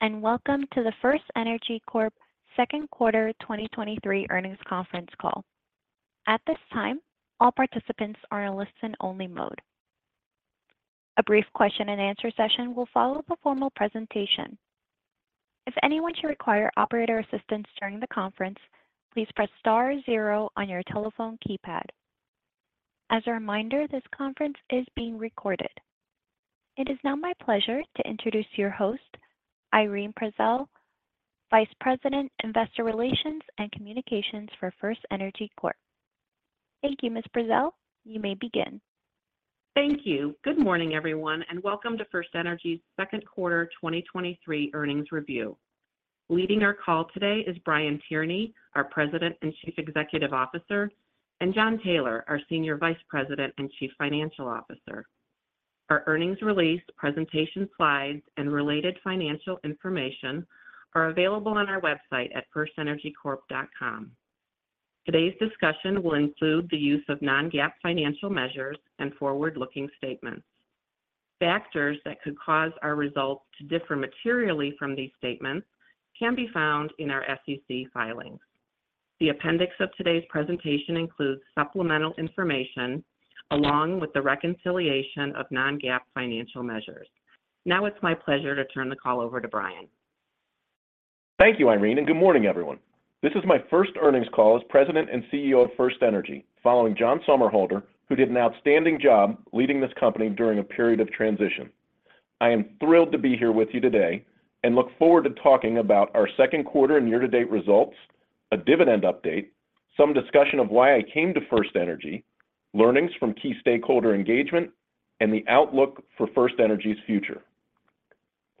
Greetings, welcome to the FirstEnergy Corp second quarter 2023 earnings conference call. At this time, all participants are in a listen-only mode. A brief question and answer session will follow the formal presentation. If anyone should require operator assistance during the conference, please press star 0 on your telephone keypad. As a reminder, this conference is being recorded. It is now my pleasure to introduce your host, Irene Prezelj, Vice President, Investor Relations and Communications for FirstEnergy Corp. Thank you, Ms. Prezelj. You may begin. Thank you. Good morning, everyone, and welcome to FirstEnergy's second quarter 2023 earnings review. Leading our call today is Brian Tierney, our President and Chief Executive Officer, and John Taylor, our Senior Vice President and Chief Financial Officer. Our earnings release, presentation slides, and related financial information are available on our website at firstenergycorp.com. Today's discussion will include the use of non-GAAP financial measures and forward-looking statements. Factors that could cause our results to differ materially from these statements can be found in our SEC filings. The appendix of today's presentation includes supplemental information along with the reconciliation of non-GAAP financial measures. Now it's my pleasure to turn the call over to Brian. Thank you, Irene, and good morning, everyone. This is my first earnings call as President and CEO of FirstEnergy, following John Somerhalder, who did an outstanding job leading this company during a period of transition. I am thrilled to be here with you today and look forward to talking about our second quarter and year-to-date results, a dividend update, some discussion of why I came to FirstEnergy, learnings from key stakeholder engagement, and the outlook for FirstEnergy's future.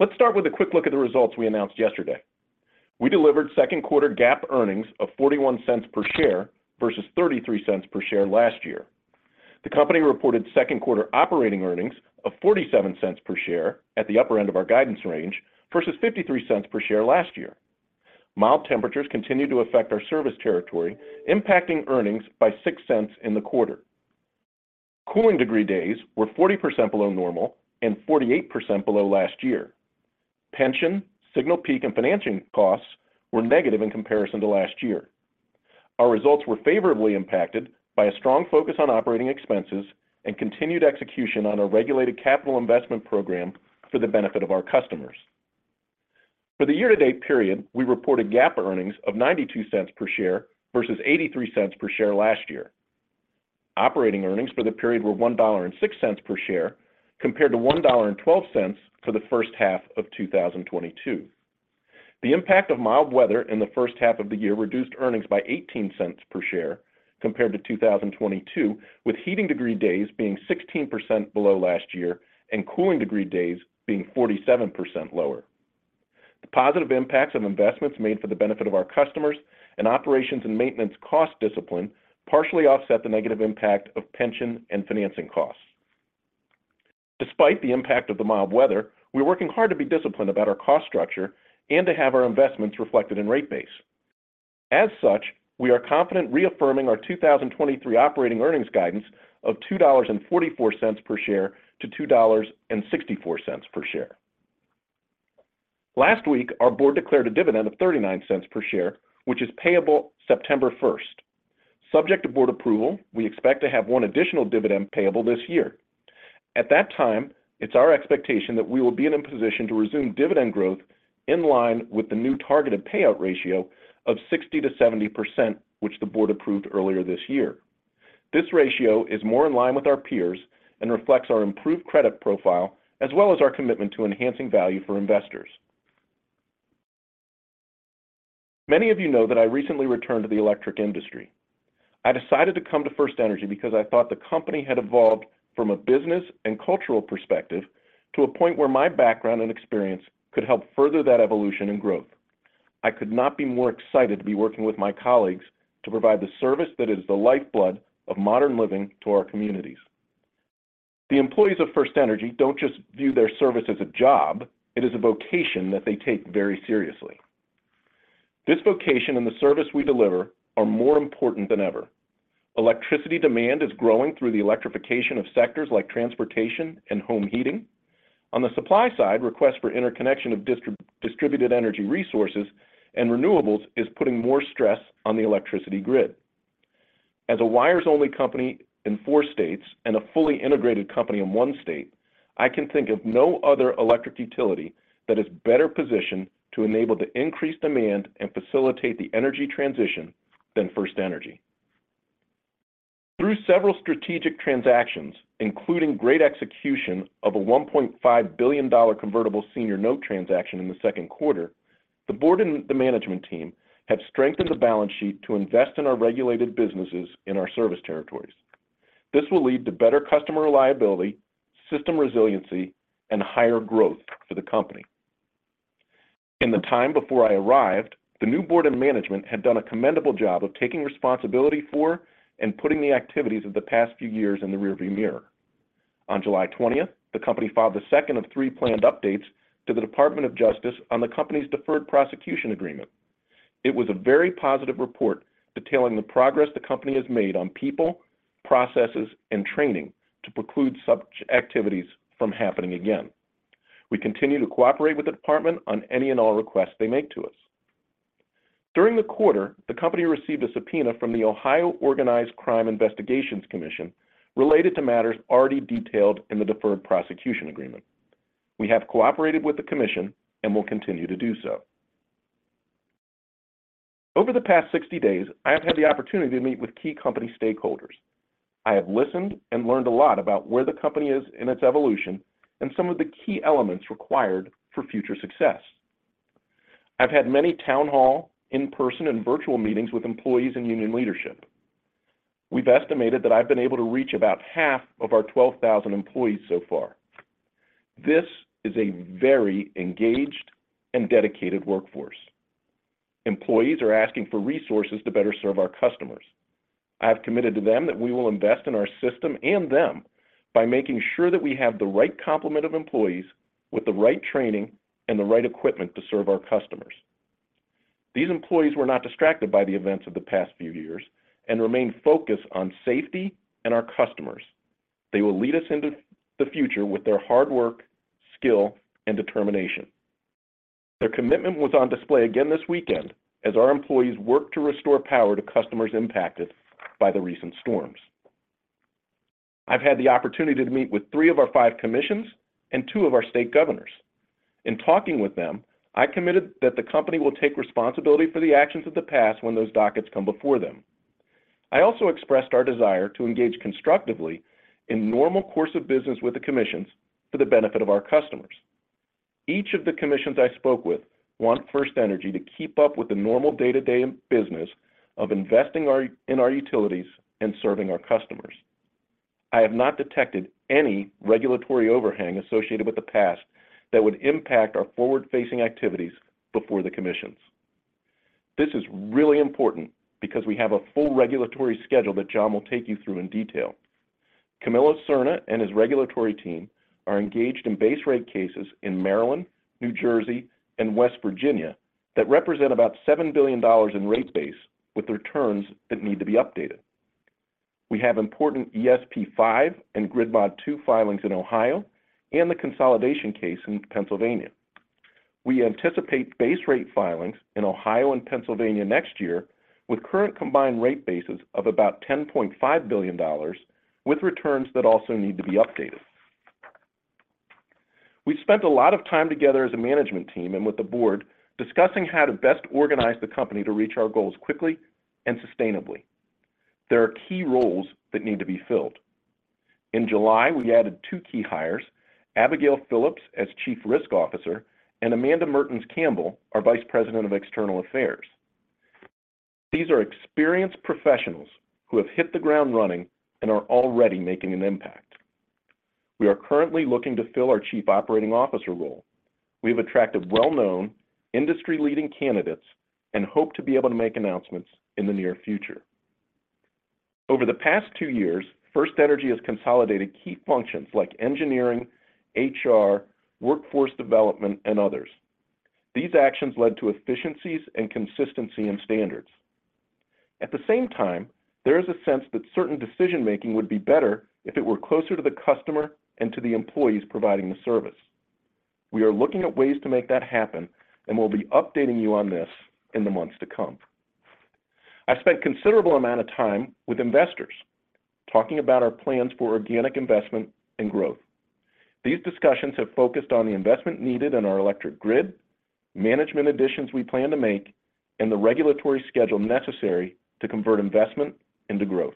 Let's start with a quick look at the results we announced yesterday. We delivered second quarter GAAP earnings of $0.41 per share versus $0.33 per share last year. The company reported second quarter operating earnings of $0.47 per share at the upper end of our guidance range, versus $0.53 per share last year. Mild temperatures continued to affect our service territory, impacting earnings by $0.06 in the quarter. Cooling degree days were 40% below normal and 48% below last year. Pension, Signal Peak, and financing costs were negative in comparison to last year. Our results were favorably impacted by a strong focus on operating expenses and continued execution on a regulated capital investment program for the benefit of our customers. For the year-to-date period, we reported GAAP earnings of $0.92 per share versus $0.83 per share last year. Operating earnings for the period were $1.06 per share, compared to $1.12 for the first half of 2022. The impact of mild weather in the first half of the year reduced earnings by $0.18 per share compared to 2022, with heating degree days being 16% below last year and cooling degree days being 47% lower. The positive impacts of investments made for the benefit of our customers and operations and maintenance cost discipline partially offset the negative impact of pension and financing costs. Despite the impact of the mild weather, we're working hard to be disciplined about our cost structure and to have our investments reflected in rate base. As such, we are confident reaffirming our 2023 operating earnings guidance of $2.44-$2.64 per share. Last week, our board declared a dividend of $0.39 per share, which is payable September first. Subject to board approval, we expect to have one additional dividend payable this year. At that time, it's our expectation that we will be in a position to resume dividend growth in line with the new targeted payout ratio of 60%-70%, which the board approved earlier this year. This ratio is more in line with our peers and reflects our improved credit profile, as well as our commitment to enhancing value for investors. Many of you know that I recently returned to the electric industry. I decided to come to FirstEnergy because I thought the company had evolved from a business and cultural perspective to a point where my background and experience could help further that evolution and growth. I could not be more excited to be working with my colleagues to provide the service that is the lifeblood of modern living to our communities. The employees of FirstEnergy don't just view their service as a job; it is a vocation that they take very seriously. This vocation and the service we deliver are more important than ever. Electricity demand is growing through the electrification of sectors like transportation and home heating. On the supply side, requests for interconnection of distributed energy resources and renewables is putting more stress on the electricity grid. As a wires-only company in four states and a fully integrated company in one state, I can think of no other electric utility that is better positioned to enable the increased demand and facilitate the energy transition than FirstEnergy. Through several strategic transactions, including great execution of a $1.5 billion convertible senior note transaction in the second quarter, the board and the management team have strengthened the balance sheet to invest in our regulated businesses in our service territories. This will lead to better customer reliability, system resiliency, and higher growth for the company. In the time before I arrived, the new board and management had done a commendable job of taking responsibility for and putting the activities of the past few years in the rearview mirror. On July 20th, the company filed the second of three planned updates to the Department of Justice on the company's deferred prosecution agreement. It was a very positive report detailing the progress the company has made on people, processes, and training to preclude such activities from happening again. We continue to cooperate with the department on any and all requests they make to us. During the quarter, the company received a subpoena from the Ohio Organized Crime Investigations Commission related to matters already detailed in the deferred prosecution agreement. We have cooperated with the commission and will continue to do so. Over the past 60 days, I have had the opportunity to meet with key company stakeholders. I have listened and learned a lot about where the company is in its evolution and some of the key elements required for future success. I've had many town hall, in-person, and virtual meetings with employees and union leadership. We've estimated that I've been able to reach about half of our 12,000 employees so far. This is a very engaged and dedicated workforce. Employees are asking for resources to better serve our customers. I have committed to them that we will invest in our system and them by making sure that we have the right complement of employees with the right training and the right equipment to serve our customers. These employees were not distracted by the events of the past few years and remain focused on safety and our customers. They will lead us into the future with their hard work, skill, and determination. Their commitment was on display again this weekend as our employees worked to restore power to customers impacted by the recent storms. I've had the opportunity to meet with three of our five commissions and two of our state governors. In talking with them, I committed that the company will take responsibility for the actions of the past when those dockets come before them. I also expressed our desire to engage constructively in normal course of business with the commissions for the benefit of our customers. Each of the commissions I spoke with want FirstEnergy to keep up with the normal day-to-day business of investing in our utilities and serving our customers. I have not detected any regulatory overhang associated with the past that would impact our forward-facing activities before the commissions. This is really important because we have a full regulatory schedule that John will take you through in detail. Camilo Serna and his regulatory team are engaged in base rate cases in Maryland, New Jersey, and West Virginia that represent about $7 billion in rate base with returns that need to be updated. We have important ESP V and Grid Mod II filings in Ohio and the consolidation case in Pennsylvania. We anticipate base rate filings in Ohio and Pennsylvania next year, with current combined rate bases of about $10.5 billion, with returns that also need to be updated. We've spent a lot of time together as a management team and with the board discussing how to best organize the company to reach our goals quickly and sustainably. There are key roles that need to be filled. In July, we added two key hires, Abigail Phillips as Chief Risk Officer and Amanda Mertens Campbell, our Vice President of External Affairs. These are experienced professionals who have hit the ground running and are already making an impact. We are currently looking to fill our Chief Operating Officer role. We have attracted well-known, industry-leading candidates and hope to be able to make announcements in the near future. Over the past two years, FirstEnergy has consolidated key functions like engineering, HR, workforce development, and others. These actions led to efficiencies and consistency in standards. At the same time, there is a sense that certain decision-making would be better if it were closer to the customer and to the employees providing the service. We are looking at ways to make that happen, and we'll be updating you on this in the months to come. I spent considerable amount of time with investors talking about our plans for organic investment and growth. These discussions have focused on the investment needed in our electric grid, management additions we plan to make, and the regulatory schedule necessary to convert investment into growth.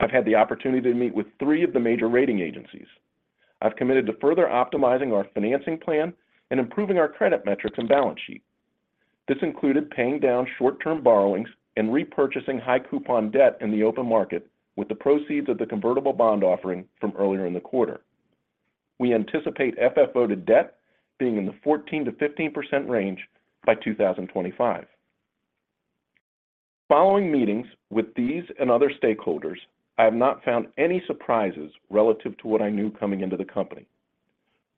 I've had the opportunity to meet with three of the major rating agencies. I've committed to further optimizing our financing plan and improving our credit metrics and balance sheet. This included paying down short-term borrowings and repurchasing high-coupon debt in the open market with the proceeds of the convertible bond offering from earlier in the quarter. We anticipate FFO to debt being in the 14% to 15% range by 2025. Following meetings with these and other stakeholders, I have not found any surprises relative to what I knew coming into the company.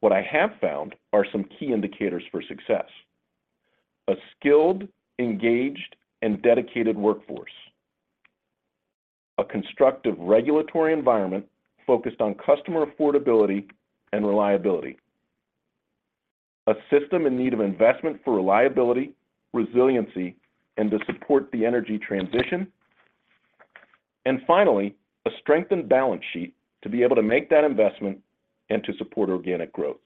What I have found are some key indicators for success: a skilled, engaged, and dedicated workforce, a constructive regulatory environment focused on customer affordability and reliability, a system in need of investment for reliability, resiliency, and to support the energy transition, and finally, a strengthened balance sheet to be able to make that investment and to support organic growth.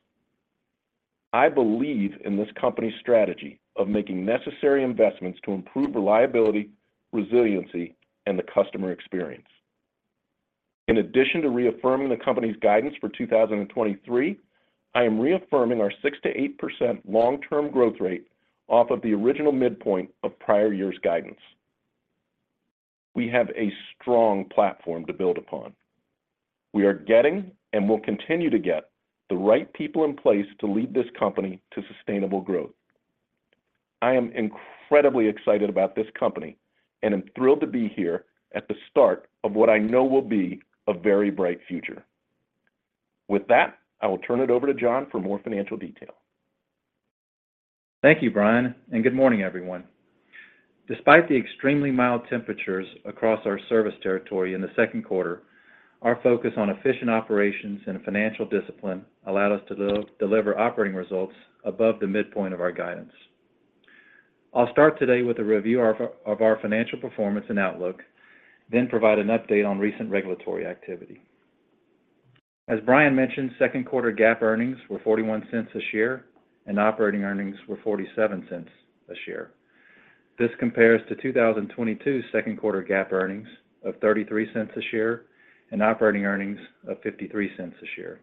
I believe in this company's strategy of making necessary investments to improve reliability, resiliency, and the customer experience. In addition to reaffirming the company's guidance for 2023, I am reaffirming our 6%-8% long-term growth rate off of the original midpoint of prior year's guidance. We have a strong platform to build upon. We are getting, and will continue to get, the right people in place to lead this company to sustainable growth. I am incredibly excited about this company and am thrilled to be here at the start of what I know will be a very bright future. With that, I will turn it over to John for more financial detail. Thank you, Brian. Good morning, everyone. Despite the extremely mild temperatures across our service territory in the second quarter, our focus on efficient operations and financial discipline allowed us to deliver operating results above the midpoint of our guidance. I'll start today with a review of our financial performance and outlook, then provide an update on recent regulatory activity. As Brian mentioned, second quarter GAAP earnings were $0.41 a share, and operating earnings were $0.47 a share. This compares to 2022 second quarter GAAP earnings of $0.33 a share and operating earnings of $0.53 a share.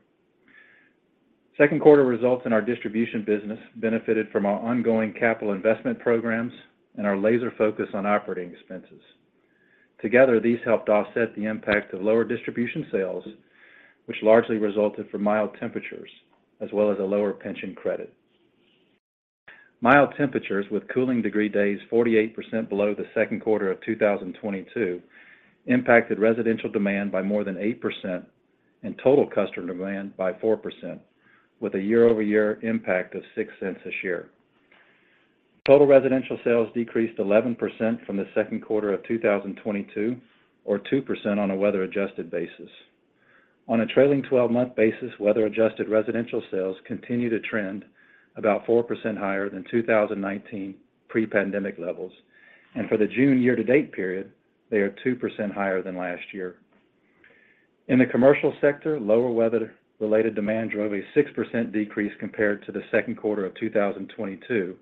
Second quarter results in our distribution business benefited from our ongoing capital investment programs and our laser focus on operating expenses. Together, these helped offset the impact of lower distribution sales, which largely resulted from mild temperatures, as well as a lower pension credit. Mild temperatures with cooling degree days 48% below the second quarter of 2022, impacted residential demand by more than 8% and total customer demand by 4%, with a year-over-year impact of $0.06 a share. Total residential sales decreased 11% from the second quarter of 2022, or 2% on a weather-adjusted basis. On a trailing 12-month basis, weather-adjusted residential sales continue to trend about 4% higher than 2019 pre-pandemic levels, and for the June year-to-date period, they are 2% higher than last year. In the commercial sector, lower weather-related demand drove a 6% decrease compared to the second quarter of 2022,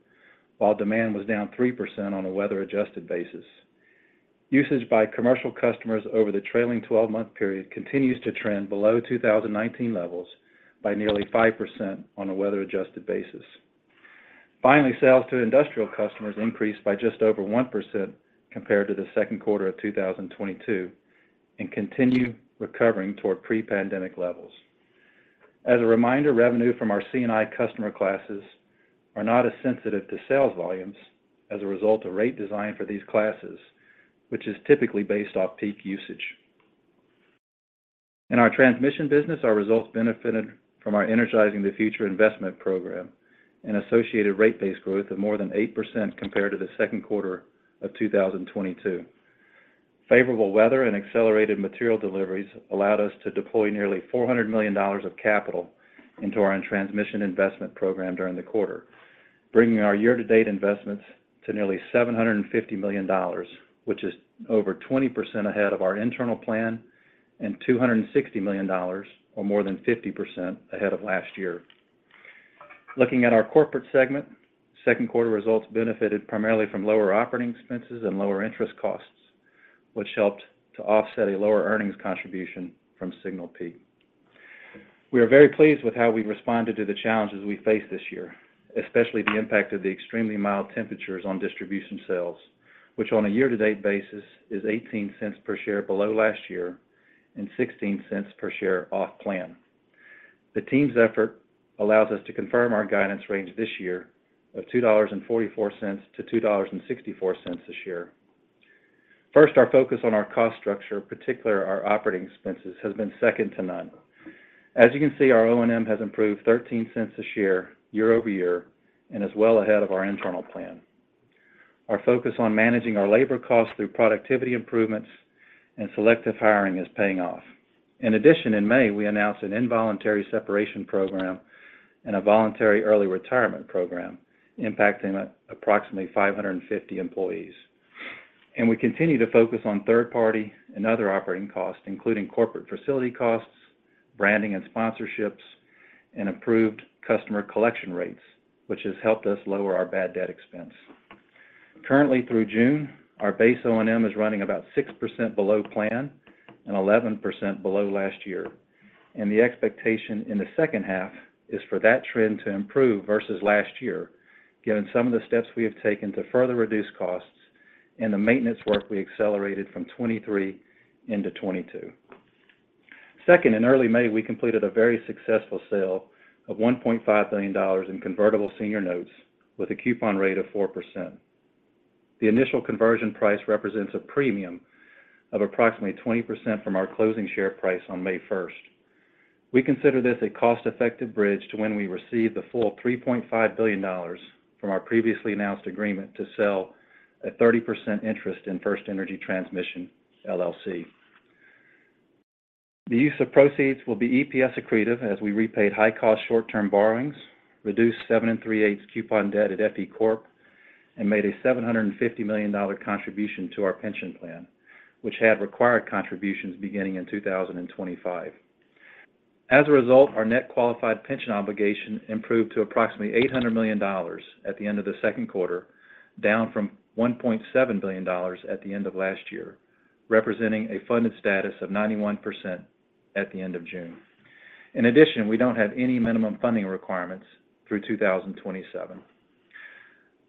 while demand was down 3% on a weather-adjusted basis. Usage by commercial customers over the trailing 12-month period continues to trend below 2019 levels by nearly 5% on a weather-adjusted basis. Sales to industrial customers increased by just over 1% compared to the second quarter of 2022 and continue recovering toward pre-pandemic levels. As a reminder, revenue from our C&I customer classes are not as sensitive to sales volumes as a result of rate design for these classes, which is typically based off peak usage. In our transmission business, our results benefited from our Energizing the Future investment program and associated rate base growth of more than 8% compared to the second quarter of 2022. Favorable weather and accelerated material deliveries allowed us to deploy nearly $400 million of capital into our transmission investment program during the quarter, bringing our year-to-date investments to nearly $750 million, which is over 20% ahead of our internal plan, and $260 million, or more than 50% ahead of last year. Looking at our corporate segment, second quarter results benefited primarily from lower operating expenses and lower interest costs, which helped to offset a lower earnings contribution from Signal Peak. We are very pleased with how we responded to the challenges we faced this year, especially the impact of the extremely mild temperatures on distribution sales, which on a year-to-date basis is $0.18 per share below last year and $0.16 per share off plan. The team's effort allows us to confirm our guidance range this year of $2.44 to $2.64 a share. First, our focus on our cost structure, particularly our operating expenses, has been second to none. As you can see, our O&M has improved $0.13 a share year over year and is well ahead of our internal plan. Our focus on managing our labor costs through productivity improvements and selective hiring is paying off. In addition, in May, we announced an involuntary separation program and a voluntary early retirement program, impacting approximately 550 employees. We continue to focus on third-party and other operating costs, including corporate facility costs, branding and sponsorships, and improved customer collection rates, which has helped us lower our bad debt expense. Currently through June, our base O&M is running about 6% below plan and 11% below last year, and the expectation in the second half is for that trend to improve versus last year, given some of the steps we have taken to further reduce costs and the maintenance work we accelerated from 2023 into 2022. Second, in early May, we completed a very successful sale of $1.5 billion in convertible senior notes with a coupon rate of 4%. The initial conversion price represents a premium of approximately 20% from our closing share price on May 1st. We consider this a cost-effective bridge to when we receive the full $3.5 billion from our previously announced agreement to sell a 30% interest in FirstEnergy Transmission, LLC. The use of proceeds will be EPS accretive as we repaid high-cost, short-term borrowings, reduced 7 3/8 coupon debt at FE Corp, and made a $750 million contribution to our pension plan, which had required contributions beginning in 2025. As a result, our net qualified pension obligation improved to approximately $800 million at the end of the second quarter, down from $1.7 billion at the end of last year, representing a funded status of 91% at the end of June. In addition, we don't have any minimum funding requirements through 2027.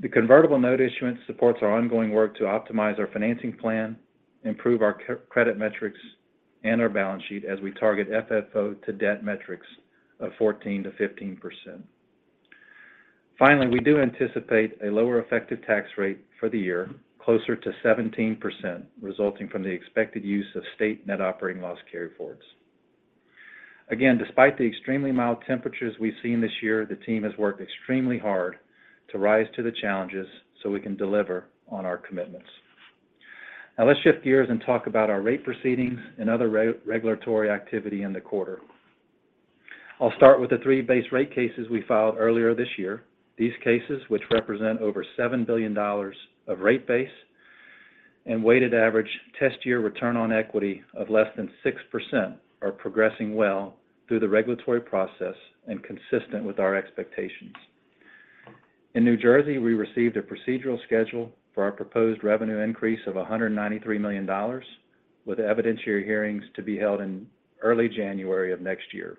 The convertible note issuance supports our ongoing work to optimize our financing plan, improve our credit metrics, and our balance sheet as we target FFO to debt metrics of 14%-15%. Finally, we do anticipate a lower effective tax rate for the year, closer to 17%, resulting from the expected use of state net operating loss carryforwards. Again, despite the extremely mild temperatures we've seen this year, the team has worked extremely hard to rise to the challenges so we can deliver on our commitments. Now let's shift gears and talk about our rate proceedings and other regulatory activity in the quarter. I'll start with the three base rate cases we filed earlier this year. These cases, which represent over $7 billion of rate base and weighted average test year return on equity of less than 6%, are progressing well through the regulatory process and consistent with our expectations. In New Jersey, we received a procedural schedule for our proposed revenue increase of $193 million, with evidentiary hearings to be held in early January of next year.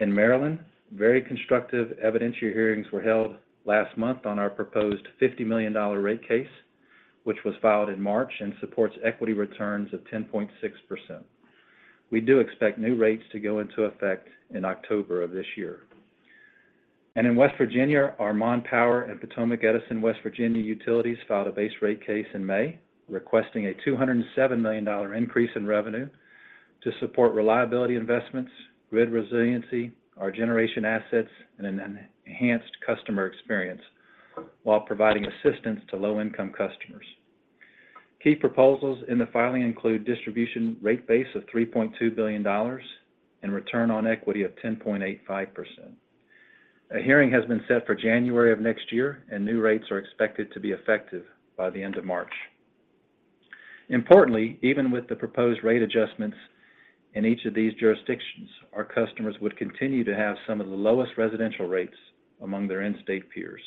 In Maryland, very constructive evidentiary hearings were held last month on our proposed $50 million rate case, which was filed in March and supports equity returns of 10.6%. We do expect new rates to go into effect in October of this year. In West Virginia, our Mon Power and Potomac Edison West Virginia utilities filed a base rate case in May, requesting a $207 million increase in revenue to support reliability investments, grid resiliency, our generation assets, and an enhanced customer experience while providing assistance to low-income customers. Key proposals in the filing include distribution rate base of $3.2 billion and return on equity of 10.85%. A hearing has been set for January of next year, and new rates are expected to be effective by the end of March. Importantly, even with the proposed rate adjustments in each of these jurisdictions, our customers would continue to have some of the lowest residential rates among their in-state peers.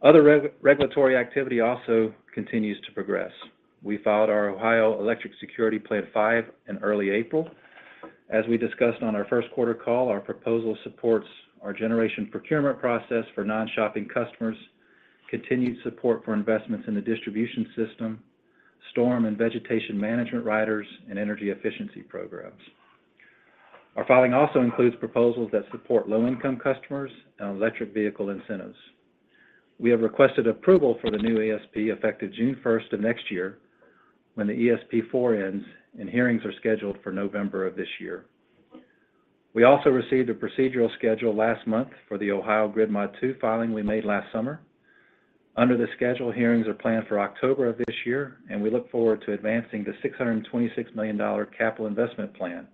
Other regulatory activity also continues to progress. We filed our Ohio Electric Security Plan V in early April. As we discussed on our 1st quarter call, our proposal supports our generation procurement process for non-shopping customers, continued support for investments in the distribution system, storm and vegetation management riders, and energy efficiency programs. Our filing also includes proposals that support low-income customers and electric vehicle incentives. We have requested approval for the new ESP, effective June 1st of next year, when the ESP IV ends, and hearings are scheduled for November of this year. We also received a procedural schedule last month for the Ohio Grid Mod II filing we made last summer. Under the schedule, hearings are planned for October of this year, and we look forward to advancing the $626 million capital investment plan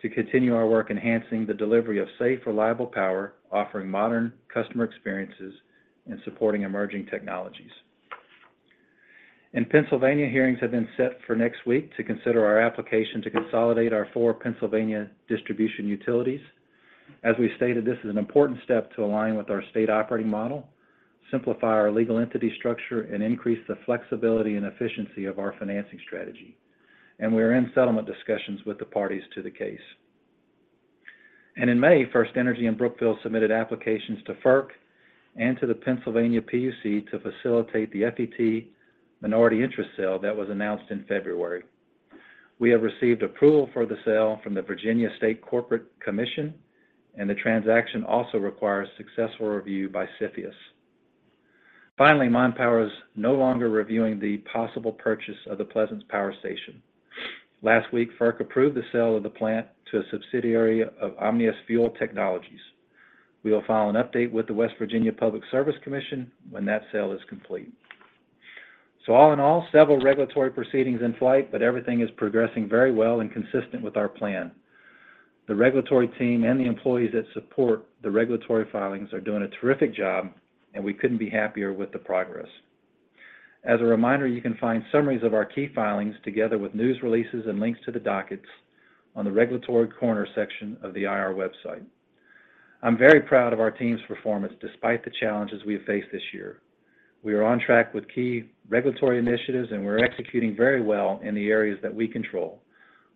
to continue our work enhancing the delivery of safe, reliable power, offering modern customer experiences, and supporting emerging technologies. In Pennsylvania, hearings have been set for next week to consider our application to consolidate our four Pennsylvania distribution utilities. As we stated, this is an important step to align with our state operating model, simplify our legal entity structure, and increase the flexibility and efficiency of our financing strategy. We are in settlement discussions with the parties to the case. In May, FirstEnergy and Brookfield submitted applications to FERC and to the Pennsylvania PUC to facilitate the FET minority interest sale that was announced in February. We have received approval for the sale from the Virginia State Corporation Commission, and the transaction also requires successful review by CFIUS. Finally, Mon Power is no longer reviewing the possible purchase of the Pleasants Power Station. Last week, FERC approved the sale of the plant to a subsidiary of Omnis Fuel Technologies. We will file an update with the Public Service Commission of West Virginia when that sale is complete. All in all, several regulatory proceedings in flight, but everything is progressing very well and consistent with our plan. The regulatory team and the employees that support the regulatory filings are doing a terrific job, and we couldn't be happier with the progress. As a reminder, you can find summaries of our key filings, together with news releases and links to the dockets, on the Regulatory Corner section of the IR website. I'm very proud of our team's performance despite the challenges we have faced this year. We are on track with key regulatory initiatives, and we're executing very well in the areas that we control,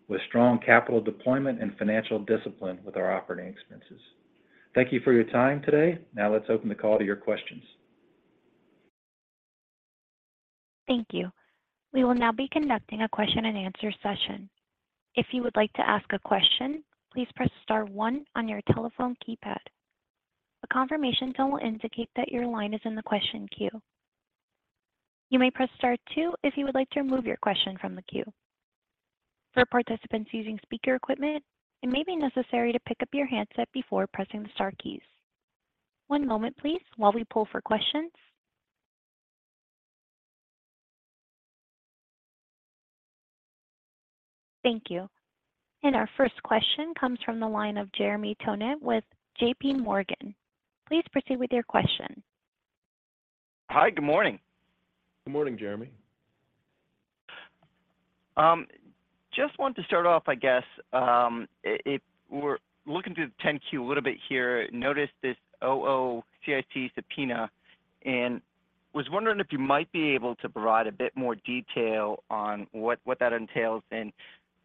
with strong capital deployment and financial discipline with our operating expenses. Thank you for your time today. Now let's open the call to your questions. Thank you. We will now be conducting a question-and-answer session. If you would like to ask a question, please press star one on your telephone keypad. A confirmation tone will indicate that your line is in the question queue. You may press star two if you would like to remove your question from the queue. For participants using speaker equipment, it may be necessary to pick up your handset before pressing the star keys. One moment, please, while we poll for questions. Thank you. Our first question comes from the line of Jeremy Tonet with JP Morgan. Please proceed with your question. Hi, good morning. Good morning, Jeremy. Just want to start off, I guess, if we're looking through the 10-Q a little bit here, noticed this OOCIC subpoena and was wondering if you might be able to provide a bit more detail on what, what that entails, and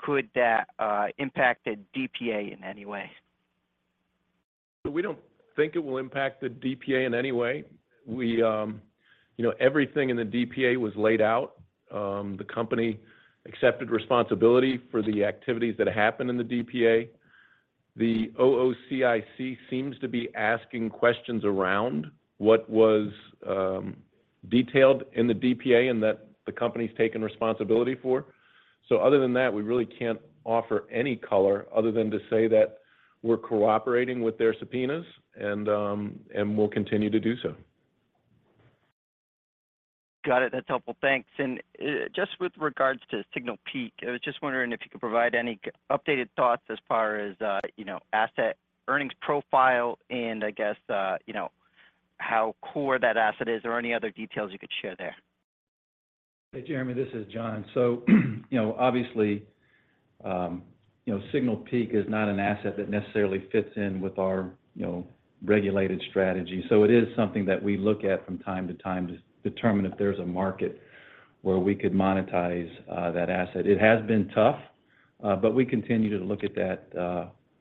could that impact the DPA in any way? We don't think it will impact the DPA in any way. We.... you know, everything in the DPA was laid out. The company accepted responsibility for the activities that happened in the DPA. The OOCIC seems to be asking questions around what was detailed in the DPA and that the company's taken responsibility for. Other than that, we really can't offer any color other than to say that we're cooperating with their subpoenas, and we'll continue to do so. Got it. That's helpful. Thanks. Just with regards to Signal Peak, I was just wondering if you could provide any updated thoughts as far as, you know, asset earnings profile and I guess, you know, how core that asset is or any other details you could share there? Hey, Jeremy Tonet, this is K. John Taylor. You know, obviously, you know, Signal Peak is not an asset that necessarily fits in with our, you know, regulated strategy. It is something that we look at from time to time to determine if there's a market where we could monetize that asset. It has been tough, but we continue to look at that,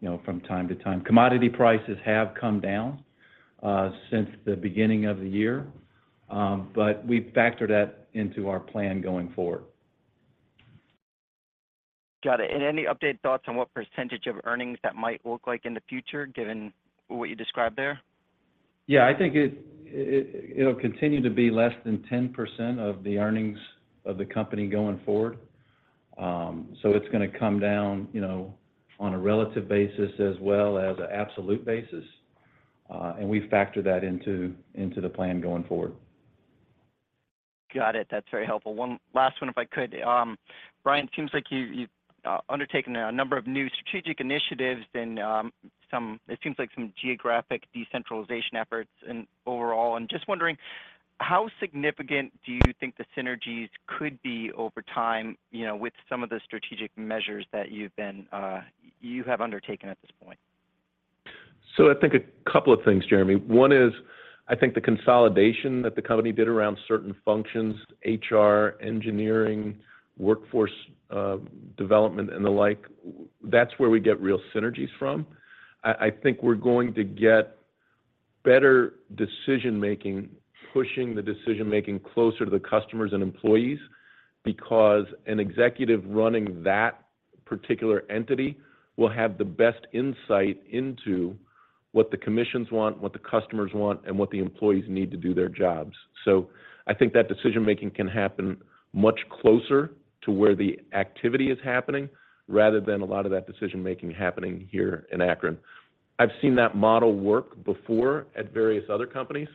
you know, from time to time. Commodity prices have come down since the beginning of the year, but we've factored that into our plan going forward. Got it. Any updated thoughts on what % of earnings that might look like in the future, given what you described there? Yeah, I think it'll continue to be less than 10% of the earnings of the company going forward. It's going to come down, you know, on a relative basis as well as a absolute basis, and we factor that into, into the plan going forward. Got it. That's very helpful. One last one, if I could. Brian, it seems like you, you've, undertaken a number of new strategic initiatives and, it seems like some geographic decentralization efforts and overall, I'm just wondering: How significant do you think the synergies could be over time, you know, with some of the strategic measures that you have undertaken at this point? I think a couple of things, Jeremy. I think the consolidation that the company did around certain functions, HR, engineering, workforce, development, and the like, that's where we get real synergies from. I think we're going to get better decision-making, pushing the decision-making closer to the customers and employees, because an executive running that particular entity will have the best insight into what the commissions want, what the customers want, and what the employees need to do their jobs. I think that decision-making can happen much closer to where the activity is happening, rather than a lot of that decision-making happening here in Akron. I've seen that model work before at various other companies,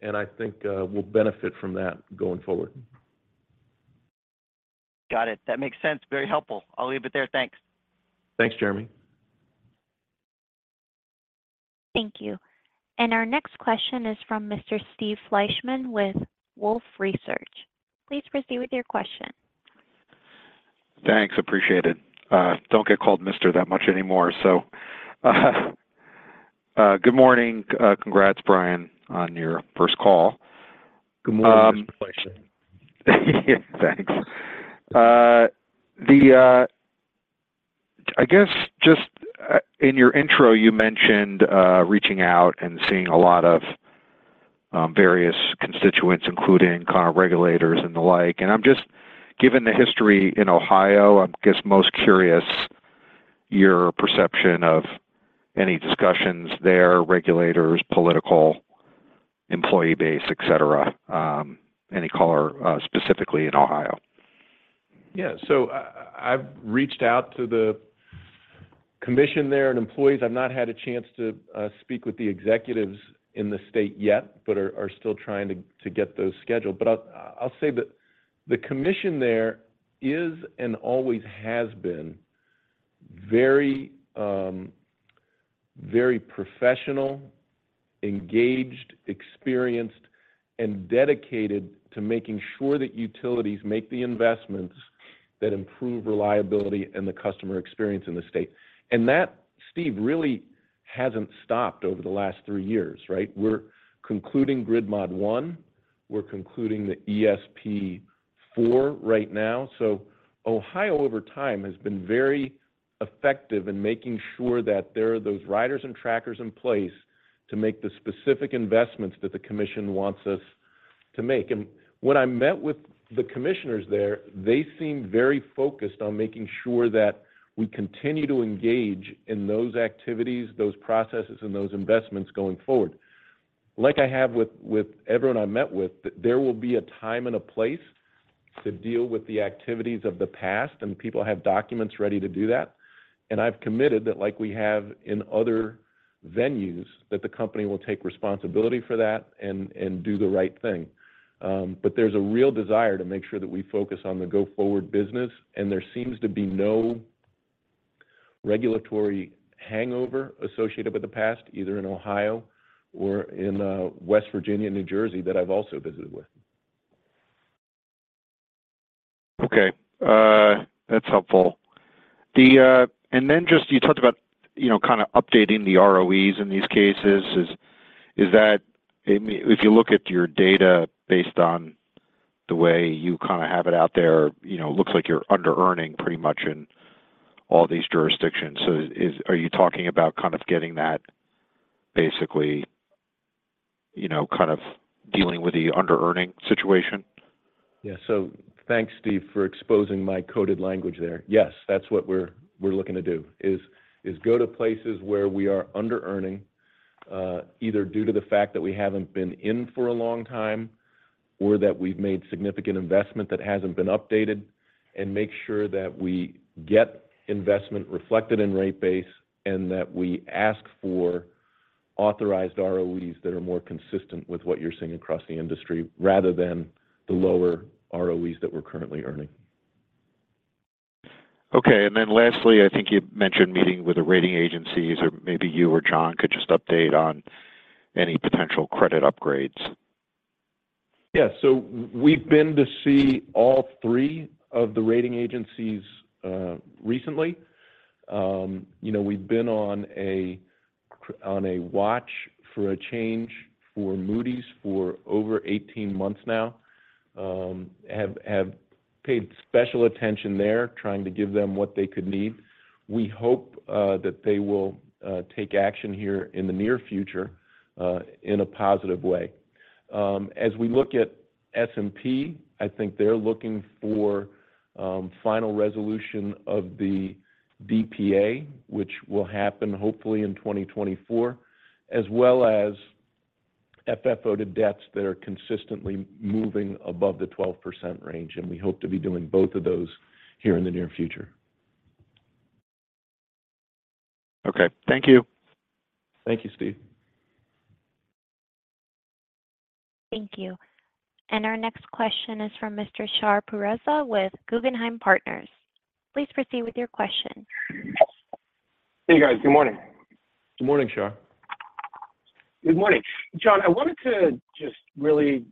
and I think, we'll benefit from that going forward. Got it. That makes sense. Very helpful. I'll leave it there. Thanks. Thanks, Jeremy. Thank you. Our next question is from Mr. Steve Fleishman with Wolfe Research. Please proceed with your question. Thanks, appreciate it. Don't get called Mister that much anymore, so good morning. Congrats, Brian, on your first call. Good morning, Mr. Fleishman. Thanks. I guess, just, in your intro, you mentioned reaching out and seeing a lot of various constituents, including kind of regulators and the like. I'm just given the history in Ohio, I'm guess, most curious your perception of any discussions there, regulators, political, employee base, et cetera, any color, specifically in Ohio? Yeah, so I've reached out to the commission there and employees. I've not had a chance to speak with the executives in the state yet, but are still trying to get those scheduled. I'll say that the commission there is, and always has been very professional, engaged, experienced, and dedicated to making sure that utilities make the investments that improve reliability and the customer experience in the state. That, Steve, really hasn't stopped over the last three years, right? We're concluding Grid Mod I, we're concluding the ESP IV right now. Ohio, over time, has been very effective in making sure that there are those riders and trackers in place to make the specific investments that the commission wants us to make. When I met with the commissioners there, they seemed very focused on making sure that we continue to engage in those activities, those processes, and those investments going forward. Like I have with, with everyone I met with, that there will be a time and a place to deal with the activities of the past, and people have documents ready to do that. I've committed that, like we have in other venues, that the company will take responsibility for that and, and do the right thing. But there's a real desire to make sure that we focus on the go-forward business, and there seems to be no regulatory hangover associated with the past, either in Ohio or in West Virginia, New Jersey, that I've also visited with. Okay. That's helpful. Then just you talked about, you know, kind of updating the ROEs in these cases. Is that, I mean, if you look at your data based on the way you kind of have it out there, you know, looks like you're under-earning pretty much in all these jurisdictions. Are you talking about kind of getting that basically, you know, kind of dealing with the under-earning situation? Yeah. Thanks, Steve, for exposing my coded language there. Yes, that's what we're, we're looking to do, is, is go to places where we are under-earning, either due to the fact that we haven't been in for a long time, or that we've made significant investment that hasn't been updated, and make sure that we get investment reflected in rate base, and that we ask for authorized ROEs that are more consistent with what you're seeing across the industry, rather than the lower ROEs that we're currently earning. Okay. Lastly, I think you mentioned meeting with the rating agencies, or maybe you or Jon could just update on any potential credit upgrades. Yeah. We've been to see all three of the rating agencies recently. You know, we've been on a watch for a change for Moody's for over 18 months now, have paid special attention there, trying to give them what they could need. We hope that they will take action here in the near future, in a positive way. As we look at S&P, I think they're looking for final resolution of the DPA, which will happen hopefully in 2024, as well as FFO to debt that are consistently moving above the 12% range, and we hope to be doing both of those here in the near future. Okay. Thank you. Thank you, Steve. Thank you. Our next question is from Mr. Shar Pourreza with Guggenheim Partners. Please proceed with your question. Hey, guys. Good morning. Good morning, Shar. Good morning. John, I wanted to just really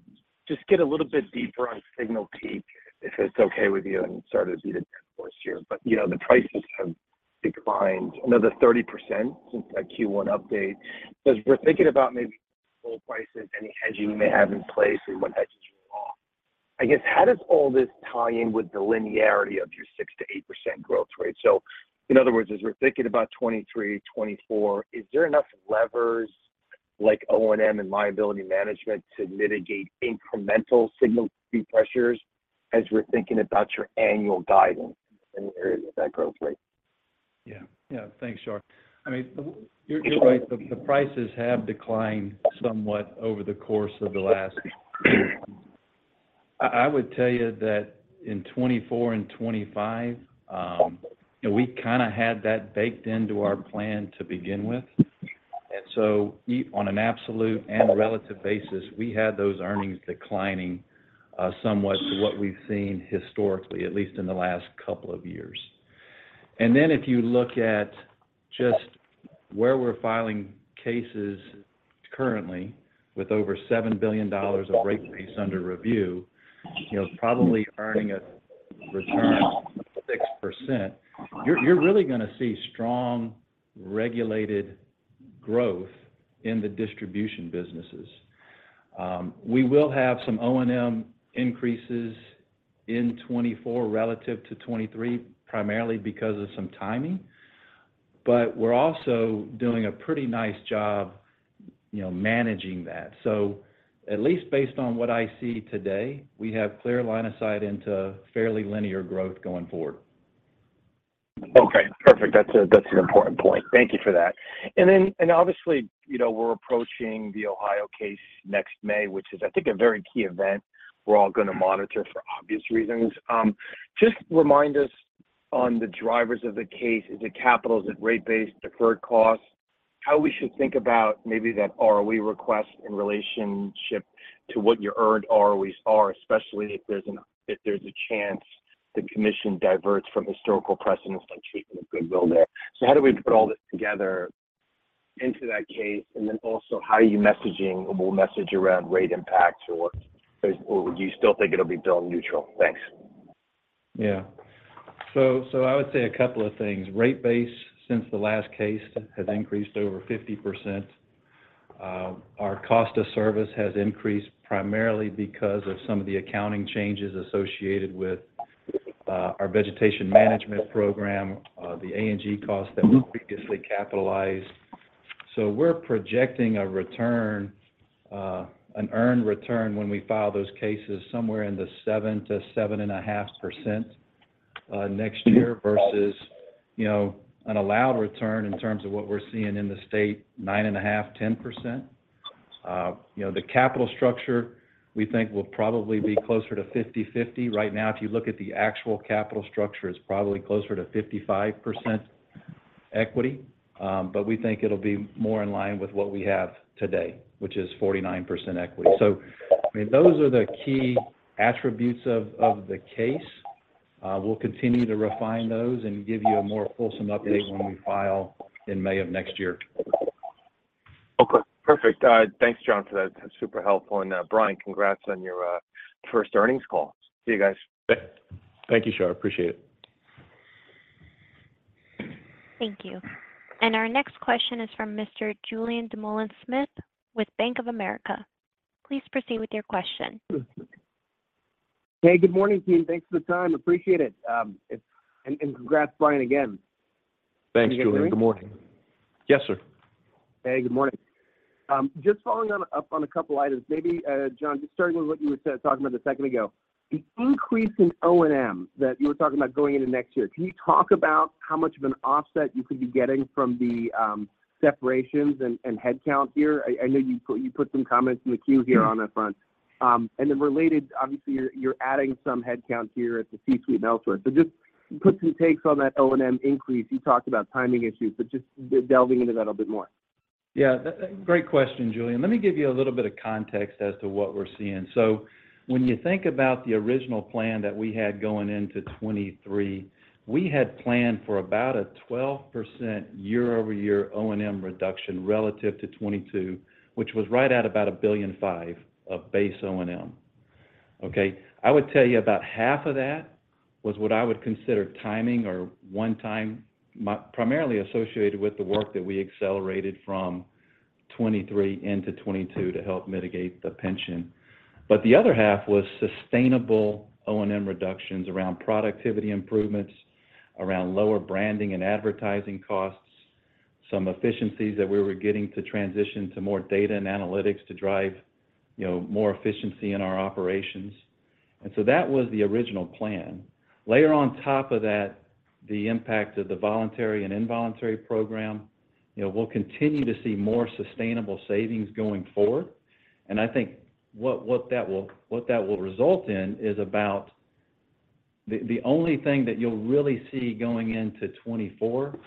just get a little bit deeper on Signal Peak, if it's okay with you. Sorry to beat a dead horse here, but, you know, the prices have declined another 30% since that Q1 update. As we're thinking about maybe oil prices, any hedging you may have in place or what hedges are off, I guess, how does all this tie in with the linearity of your 6%-8% growth rate? In other words, as we're thinking about 2023, 2024, is there enough levers like O&M and liability management to mitigate incremental Signal Peak pressures as we're thinking about your annual guidance in the area of that growth rate? Yeah. Yeah. Thanks, Shar. I mean, you're, you're right, the, the prices have declined somewhat over the course of the last year. I, I would tell you that in 2024 and 2025, we kind of had that baked into our plan to begin with. So on an absolute and relative basis, we had those earnings declining, somewhat to what we've seen historically, at least in the last couple of years. Then if you look at just where we're filing cases currently with over $7 billion of rate base under review, you know, probably earning a return of 6%, you're, you're really going to see strong regulated growth in the distribution businesses. We will have some O&M increases in 2024 relative to 2023, primarily because of some timing, but we're also doing a pretty nice job, you know, managing that. At least based on what I see today, we have clear line of sight into fairly linear growth going forward. Okay, perfect. That's a, that's an important point. Thank you for that. Obviously, you know, we're approaching the Ohio case next May, which is, I think, a very key event we're all going to monitor for obvious reasons. Just remind us on the drivers of the case, is it capital, is it rate base, deferred costs? How we should think about maybe that ROE request in relationship to what your earned ROEs are, especially if there's a chance the commission diverts from historical precedence on treatment of goodwill there. How do we put all this together into that case? How are you messaging or will message around rate impacts, or, or do you still think it'll be bill neutral? Thanks. Yeah. I would say a couple of things. Rate base, since the last case, has increased over 50%. Our cost of service has increased primarily because of some of the accounting changes associated with our vegetation management program, the A&G cost that we previously capitalized. We're projecting a return, an earned return when we file those cases somewhere in the 7%-7.5% next year, versus, you know, an allowed return in terms of what we're seeing in the state, 9.5%, 10%. You know, the capital structure, we think, will probably be closer to 50/50. Right now, if you look at the actual capital structure, it's probably closer to 55% equity, but we think it'll be more in line with what we have today, which is 49% equity. I mean, those are the key attributes of, of the case. We'll continue to refine those and give you a more fulsome update when we file in May of next year. Okay, perfect. Thanks, John, for that. That's super helpful. Brian, congrats on your first earnings call. See you, guys. Thank you, Shar. I appreciate it. Thank you. Our next question is from Mr. Julien Dumoulin-Smith with Bank of America. Please proceed with your question. Hey, good morning, team. Thanks for the time. Appreciate it. And congrats, Brian, again. Thanks, Julien. Good morning. Can you hear me? Yes, sir. Hey, good morning. Just following on, up on a couple items. Maybe, John, just starting with what you were saying, talking about a second ago, the increase in O&M that you were talking about going into next year, can you talk about how much of an offset you could be getting from the separations and headcount here? I, I know you put, you put some comments in the queue here on that front. Then related, obviously, you're, you're adding some headcount here at the C-suite and elsewhere. Just put some takes on that O&M increase. You talked about timing issues, but just delving into that a little bit more. Great question, Julien. Let me give you a little bit of context as to what we're seeing. When you think about the original plan that we had going into 2023, we had planned for about a 12% year-over-year O&M reduction relative to 2022, which was right at about $1.5 billion of base O&M. Okay? I would tell you about half of that was what I would consider timing or one-time, primarily associated with the work that we accelerated from 2023 into 2022 to help mitigate the pension. The other half was sustainable O&M reductions around productivity improvements, around lower branding and advertising costs, some efficiencies that we were getting to transition to more data and analytics to drive, you know, more efficiency in our operations. That was the original plan. Later on top of that, the impact of the voluntary and involuntary program, you know, we'll continue to see more sustainable savings going forward. I think what, what that will, what that will result in is about the only thing that you'll really see going into 2024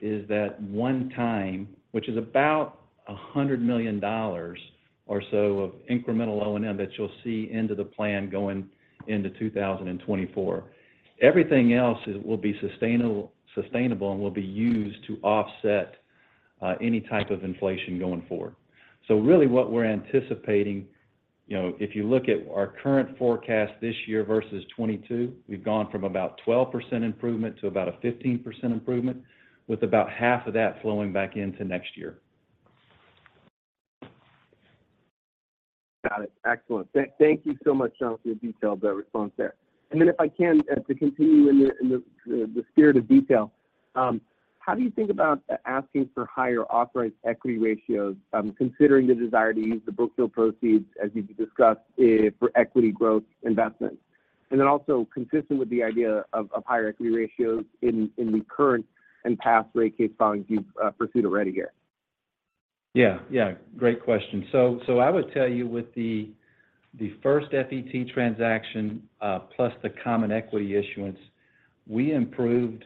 is that one time, which is about $100 million or so of incremental O&M that you'll see into the plan going into 2024. Everything else will be sustainable, sustainable and will be used to offset any type of inflation going forward. Really, what we're anticipating, you know, if you look at our current forecast this year versus 2022, we've gone from about 12% improvement to about a 15% improvement, with about half of that flowing back into next year. Got it. Excellent. Thank you so much, John Taylor, for your detailed response there. Then if I can to continue in the spirit of detail, how do you think about asking for higher authorized equity ratios, considering the desire to use the Brookfield proceeds, as you discussed, for equity growth investments? Then also consistent with the idea of higher equity ratios in the current and past rate case filings you've pursued already here. Yeah, yeah. Great question. I would tell you with the first FET transaction, plus the common equity issuance, we improved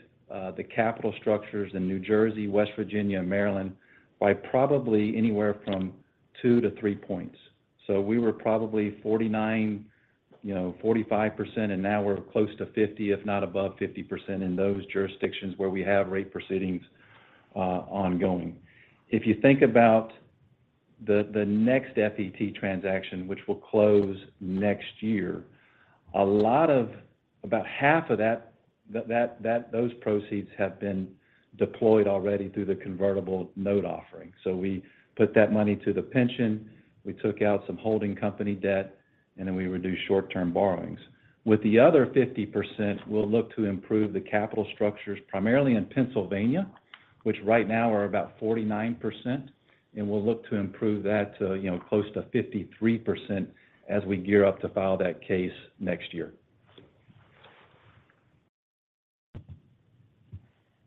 the capital structures in New Jersey, West Virginia, and Maryland by probably anywhere from 2 to 3 points. We were probably 49%, you know, 45%, and now we're close to 50%, if not above 50% in those jurisdictions where we have rate proceedings ongoing. If you think about the next FET transaction, which will close next year, about half of those proceeds have been deployed already through the convertible note offering. We put that money to the pension, we took out some holding company debt, and then we reduced short-term borrowings. With the other 50%, we'll look to improve the capital structures, primarily in Pennsylvania, which right now are about 49%, and we'll look to improve that to, you know, close to 53% as we gear up to file that case next year.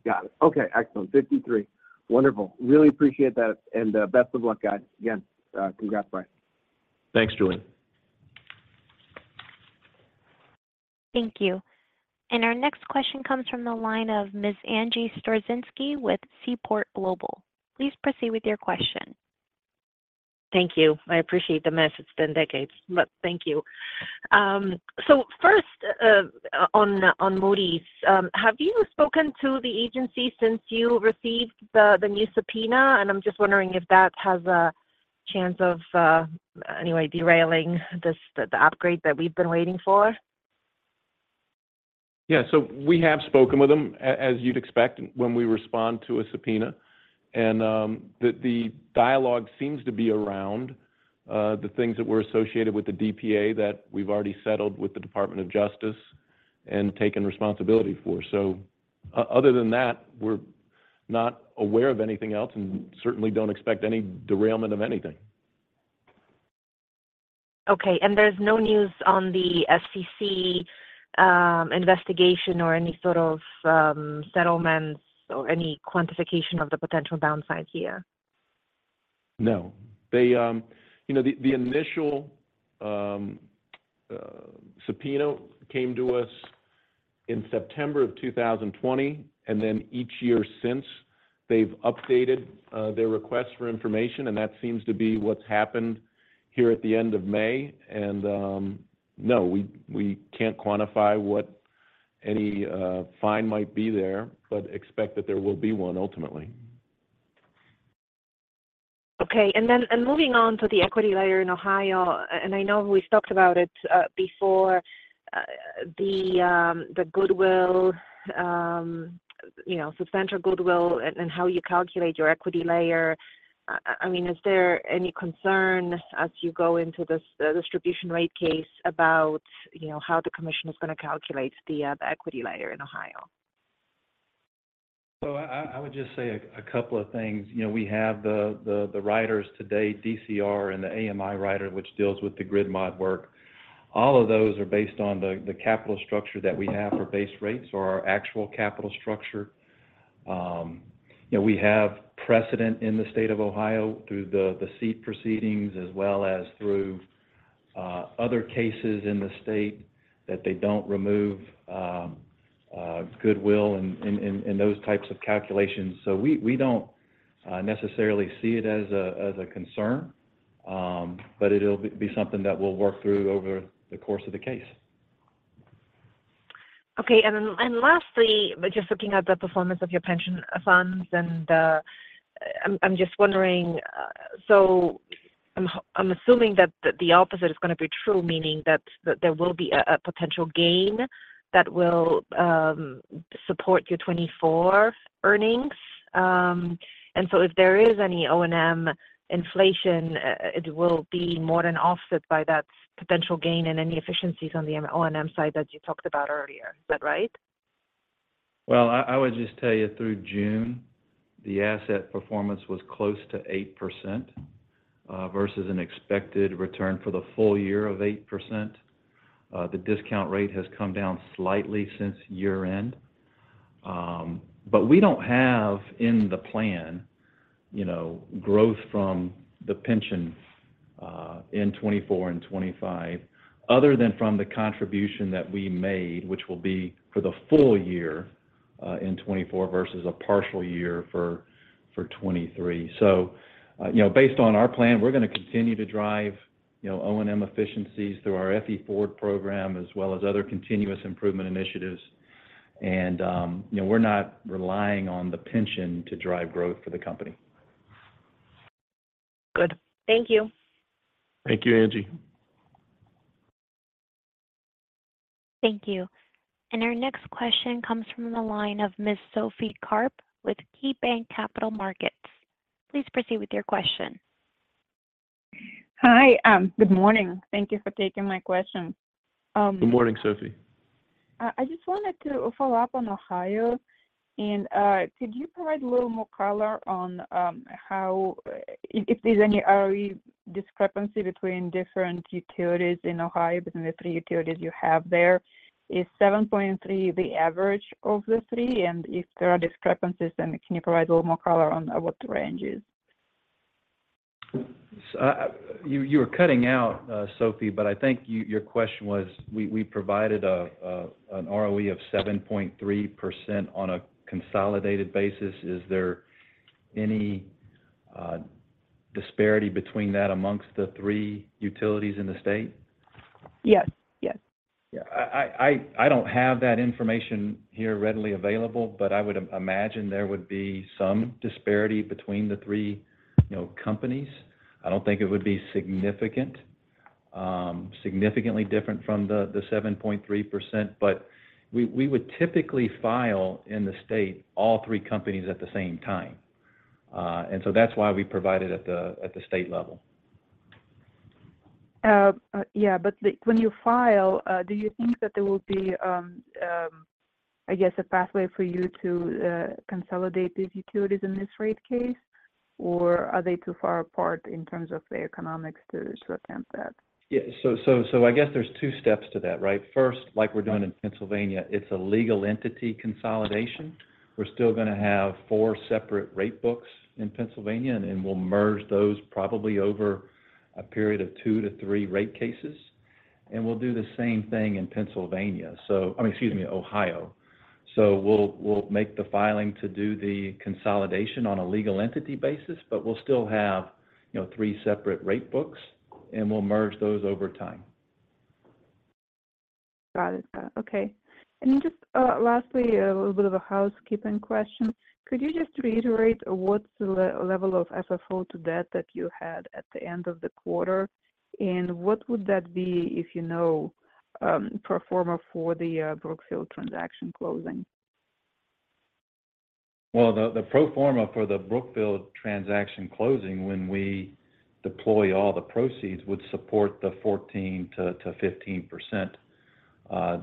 Got it. Okay, excellent. 53. Wonderful. Really appreciate that, and best of luck, guys. Again, congrats, Brian. Thanks, Julien. Thank you. Our next question comes from the line of Ms. Angie Storozynski with Seaport Global. Please proceed with your question. Thank you. I appreciate the message. It's been decades, but thank you. First, on, on Moody's, have you spoken to the agency since you received the, the new subpoena? I'm just wondering if that has a chance of, anyway, derailing this, the, the upgrade that we've been waiting for. Yeah. We have spoken with them, as you'd expect, when we respond to a subpoena. The dialogue seems to be around the things that were associated with the DPA that we've already settled with the U.S. Department of Justice and taken responsibility for. Other than that, we're not aware of anything else and certainly don't expect any derailment of anything. Okay. And there's no news on the SEC investigation or any sort of settlements or any quantification of the potential downside here? No. They, you know, the, the initial subpoena came to us in September of 2020, and then each year since, they've updated their request for information, and that seems to be what's happened here at the end of May. No, we, we can't quantify what any fine might be there, but expect that there will be one ultimately.... Okay, and then, and moving on to the equity layer in Ohio, and I know we've talked about it, before, the, the goodwill, you know, substantial goodwill and, and how you calculate your equity layer. I mean, is there any concern as you go into this, the distribution rate case about, you know, how the commission is going to calculate the, the equity layer in Ohio? I, I would just say a, a couple of things. You know, we have the, the, the riders today, DCR and the AMI rider, which deals with the grid mod work. All of those are based on the, the capital structure that we have for base rates or our actual capital structure. You know, we have precedent in the state of Ohio through the, the SEET proceedings as well as through other cases in the state that they don't remove goodwill and, and, and those types of calculations. We, we don't necessarily see it as a, as a concern, but it'll be, be something that we'll work through over the course of the case. Okay. Lastly, just looking at the performance of your pension funds, I'm just wondering, I'm assuming that the opposite is going to be true, meaning that there will be a potential gain that will support your 2024 earnings. If there is any O&M inflation, it will be more than offset by that potential gain and any efficiencies on the O&M side that you talked about earlier. Is that right? Well, I, I would just tell you through June, the asset performance was close to 8%, versus an expected return for the full year of 8%. The discount rate has come down slightly since year-end. We don't have in the plan, you know, growth from the pension, in 2024 and 2025, other than from the contribution that we made, which will be for the full year, in 2024 versus a partial year for, for 2023. Based on our plan, we're going to continue to drive, you know, O&M efficiencies through our FE Forward program, as well as other continuous improvement initiatives. We're not relying on the pension to drive growth for the company. Good. Thank you. Thank you, Angie. Thank you. Our next question comes from the line of Ms. Sophie Karp with KeyBanc Capital Markets. Please proceed with your question. Hi. Good morning. Thank you for taking my question. Good morning, Sophie. I just wanted to follow up on Ohio, could you provide a little more color on if there's any ROE discrepancy between different utilities in Ohio, between the three utilities you have there? Is 7.3 the average of the three? If there are discrepancies, then can you provide a little more color on what the range is? You were cutting out, Sophie, but I think your question was, we provided an ROE of 7.3% on a consolidated basis. Is there any disparity between that amongst the three utilities in the state? Yes. Yes. Yeah, I, I, I don't have that information here readily available, but I would imagine there would be some disparity between the three, you know, companies. I don't think it would be significant, significantly different from the 7.3%, but we, we would typically file in the state all three companies at the same time. So that's why we provide it at the, at the state level. Yeah, but when you file, do you think that there will be, I guess, a pathway for you to consolidate these utilities in this rate case, or are they too far apart in terms of the economics to attempt that? Yeah. I guess there's two steps to that, right? First, like we're doing in Pennsylvania, it's a legal entity consolidation. We're still going to have four separate rate books in Pennsylvania, and we'll merge those probably over a period of 2-3 rate cases, and we'll do the same thing in Pennsylvania. I mean, excuse me, Ohio. We'll make the filing to do the consolidation on a legal entity basis, but we'll still have, you know, three separate rate books, and we'll merge those over time. Got it. Okay. Just, lastly, a little bit of a housekeeping question. Could you just reiterate what's the level of FFO to debt that you had at the end of the quarter? What would that be, if you know, pro forma for the Brookfield transaction closing? Well, the pro forma for the Brookfield transaction closing, when we deploy all the proceeds, would support the 14%-15%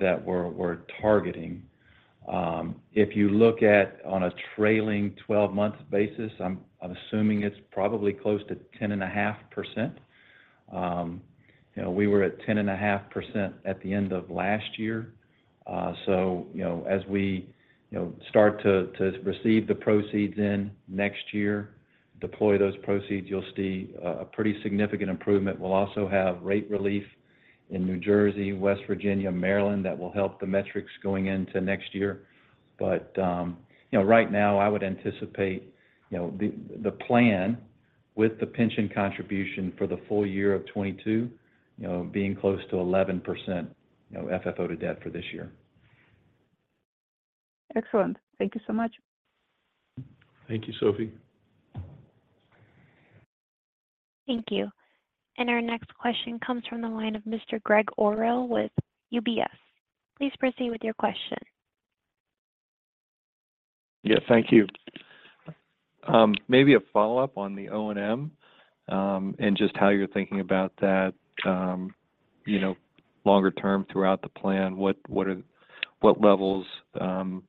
that we're targeting. If you look at on a trailing 12-month basis, I'm assuming it's probably close to 10.5%. You know, we were at 10.5% at the end of last year. You know, as we, you know, start to receive the proceeds in next year, deploy those proceeds, you'll see a pretty significant improvement. We'll also have rate relief in New Jersey, West Virginia, Maryland, that will help the metrics going into next year. You know, right now, I would anticipate, you know, the, the plan with the pension contribution for the full year of 2022, you know, being close to 11%, you know, FFO to debt for this year. Excellent. Thank you so much. Thank you, Sophie. Thank you. Our next question comes from the line of Mr. Greg Orrill with UBS. Please proceed with your question. Yeah, thank you. Maybe a follow-up on the O&M, and just how you're thinking about that, you know, longer term throughout the plan, what levels can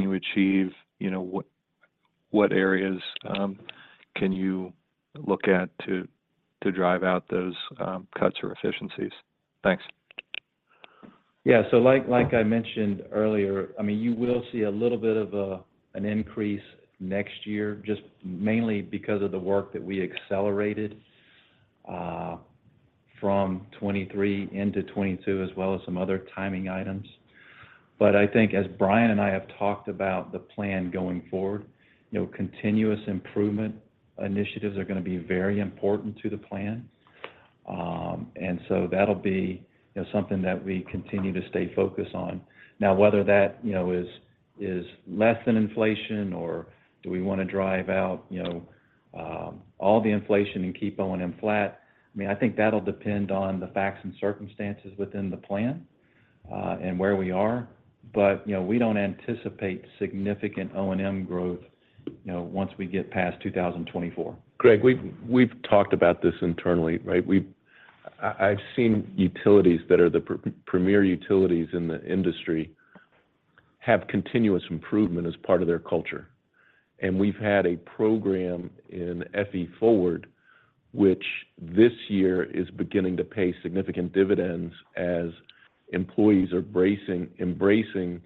you achieve? You know, what areas can you look at to drive out those cuts or efficiencies? Thanks. Yeah, so like, like I mentioned earlier, I mean, you will see a little bit of an increase next year, just mainly because of the work that we accelerated from 23 into 22, as well as some other timing items. But I think as Brian and I have talked about the plan going forward, you know, continuous improvement initiatives are gonna be very important to the plan. And so that'll be, you know, something that we continue to stay focused on. Now, whether that, you know, is, is less than inflation or do we wanna drive out, you know, all the inflation and keep O&M flat, I mean, I think that'll depend on the facts and circumstances within the plan, and where we are. But, you know, we don't anticipate significant O&M growth, you know, once we get past 2024. Greg, we've, we've talked about this internally, right? I've seen utilities that are the premier utilities in the industry, have continuous improvement as part of their culture. We've had a program in FE Forward, which this year is beginning to pay significant dividends as employees are embracing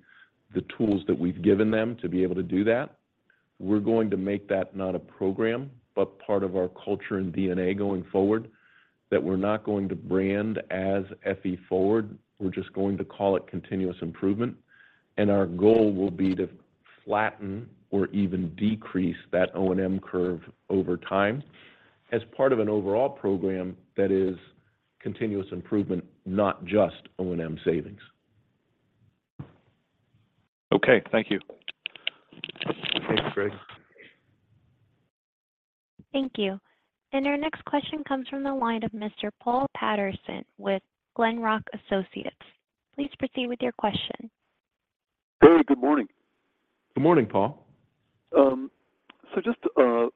the tools that we've given them to be able to do that. We're going to make that not a program, but part of our culture and DNA going forward, that we're not going to brand as FE Forward, we're just going to call it continuous improvement. Our goal will be to flatten or even decrease that O&M curve over time as part of an overall program that is continuous improvement, not just O&M savings. Okay, thank you. Thanks, Greg. Thank you. Our next question comes from the line of Mr. Paul Patterson with Glenrock Associates. Please proceed with your question. Hey, good morning. Good morning, Paul. Just on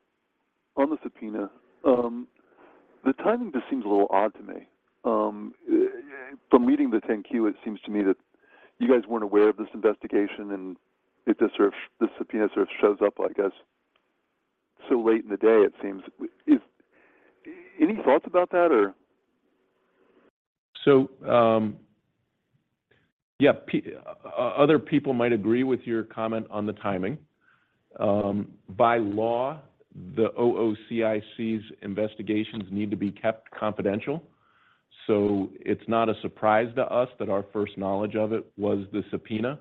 the subpoena, the timing just seems a little odd to me. From reading the 10-Q, it seems to me that you guys weren't aware of this investigation, and it just sort of the subpoena sort of shows up, I guess, so late in the day, it seems. Any thoughts about that, or? Yeah, other people might agree with your comment on the timing. By law, the OOCIC's investigations need to be kept confidential, so it's not a surprise to us that our first knowledge of it was the subpoena.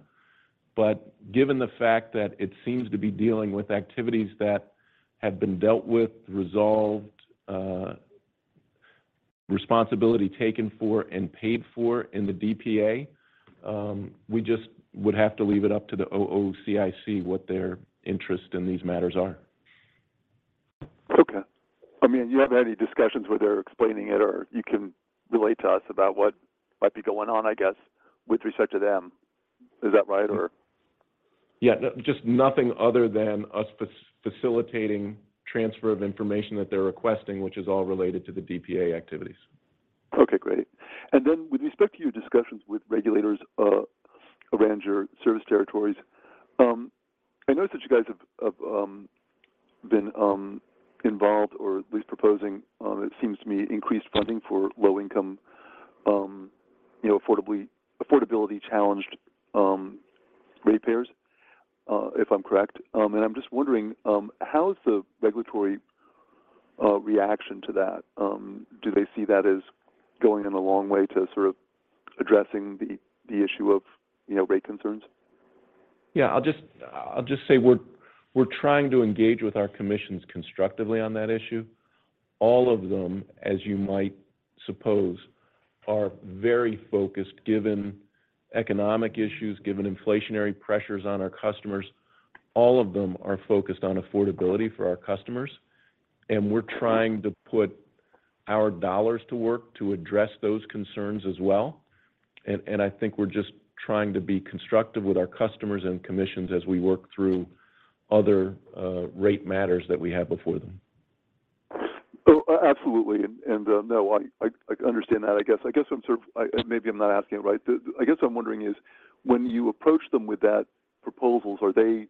Given the fact that it seems to be dealing with activities that have been dealt with, resolved, responsibility taken for, and paid for in the DPA, we just would have to leave it up to the OOCIC, what their interest in these matters are. Okay. I mean, you have any discussions where they're explaining it, or you can relate to us about what might be going on, I guess, with respect to them. Is that right, or? Yeah, no, just nothing other than us facilitating transfer of information that they're requesting, which is all related to the DPA activities. Okay, great. Then with respect to your discussions with regulators, around your service territories, I noticed that you guys have been involved or at least proposing, it seems to me, increased funding for low-income, you know, affordably, affordability challenged, ratepayers, if I'm correct. I'm just wondering, how is the regulatory reaction to that? Do they see that as going in a long way to sort of addressing the issue of, you know, rate concerns? Yeah, I'll just say we're trying to engage with our commissions constructively on that issue. All of them, as you might suppose, are very focused, given economic issues, given inflationary pressures on our customers, all of them are focused on affordability for our customers, we're trying to put our dollars to work to address those concerns as well. I think we're just trying to be constructive with our customers and commissions as we work through other rate matters that we have before them. Oh, absolutely. No, I, I, I understand that. I guess I'm not asking it right. I guess I'm wondering is, when you approach them with that proposals, are they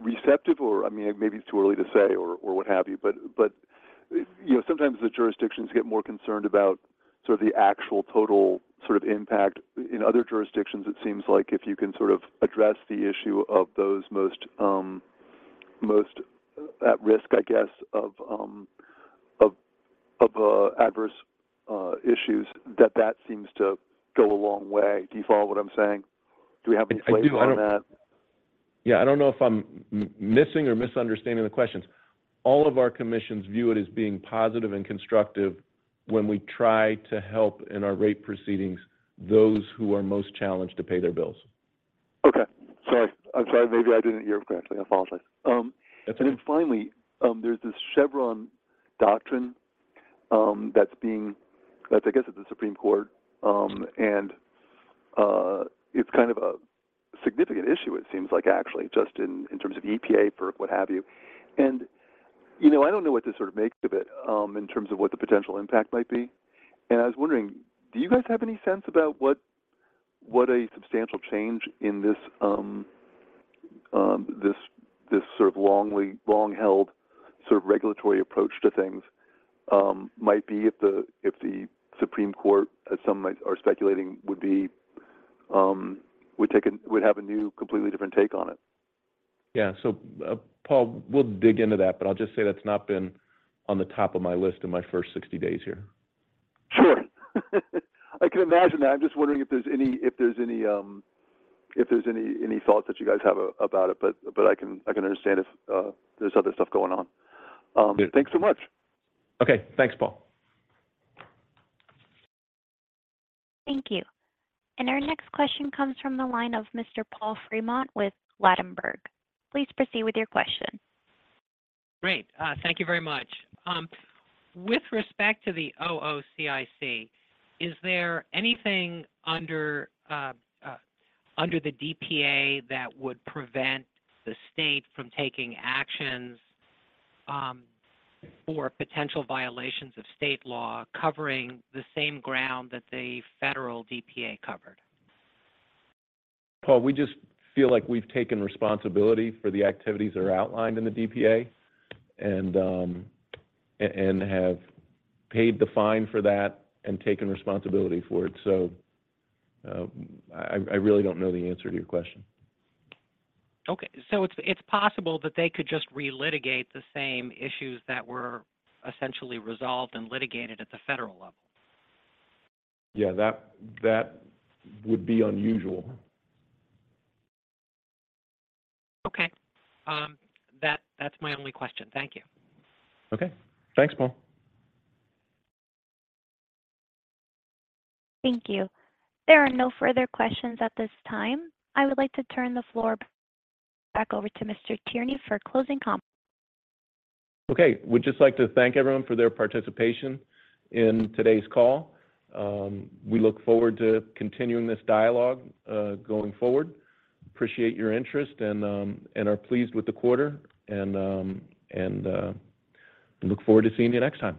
receptive or, I mean, maybe it's too early to say or, or what have you. You know, sometimes the jurisdictions get more concerned about sort of the actual total sort of impact. In other jurisdictions, it seems like if you can sort of address the issue of those most, most at risk, I guess, of, of, of, adverse issues, that that seems to go a long way. Do you follow what I'm saying? Do we have any place on that? Yeah, I don't know if I'm missing or misunderstanding the questions. All of our commissions view it as being positive and constructive when we try to help in our rate proceedings, those who are most challenged to pay their bills. Okay. Sorry. I'm sorry, maybe I didn't hear correctly. I apologize. That's all right. Then finally, there's this Chevron doctrine that's, I guess, at the Supreme Court. It's kind of a significant issue, it seems like actually, just in, in terms of EPA for what have you. You know, I don't know what to sort of make of it, in terms of what the potential impact might be. I was wondering, do you guys have any sense about what, what a substantial change in this, this sort of long-held sort of regulatory approach to things might be if the, if the Supreme Court, as some might, are speculating, would be, would have a new, completely different take on it? Yeah. Paul, we'll dig into that, but I'll just say that's not been on the top of my list in my first 60 days here. Sure. I can imagine that. I'm just wondering if there's any, if there's any, if there's any, any thoughts that you guys have about it, but, but I can, I can understand if there's other stuff going on. Thanks so much. Okay. Thanks, Paul. Thank you. Our next question comes from the line of Mr. Paul Fremont with Ladenburg Thalmann. Please proceed with your question. Great. Thank you very much. With respect to the OOCIC, is there anything under, under the DPA that would prevent the state from taking actions for potential violations of state law covering the same ground that the federal DPA covered? Paul, we just feel like we've taken responsibility for the activities that are outlined in the DPA and and have paid the fine for that and taken responsibility for it. I, I really don't know the answer to your question. Okay. It's possible that they could just relitigate the same issues that were essentially resolved and litigated at the federal level? Yeah, that, that would be unusual. Okay. That, that's my only question. Thank you. Okay. Thanks, Paul. Thank you. There are no further questions at this time. I would like to turn the floor back over to Mr. Tierney for closing comment. Okay. We'd just like to thank everyone for their participation in today's call. We look forward to continuing this dialogue, going forward. Appreciate your interest and, and are pleased with the quarter, and, and, look forward to seeing you next time.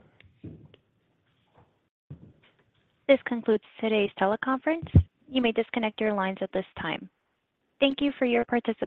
This concludes today's teleconference. You may disconnect your lines at this time. Thank you for your participation.